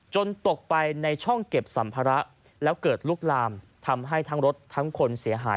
ตกไปในช่องเก็บสัมภาระแล้วเกิดลุกลามทำให้ทั้งรถทั้งคนเสียหาย